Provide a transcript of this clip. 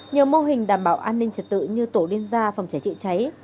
nhiều mô hình đảm bảo an ninh trật tự như tổ liên gia phòng trẻ trị cháy